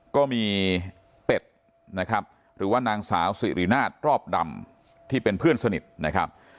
ก็มีเป็ดนะครับหรือว่านางสาวสิรินาทรอบดำที่เป็นเพื่อนสนิทนะครับ